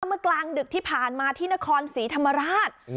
เมื่อกลางดึกที่ผ่านมาที่นครศรีธรรมราช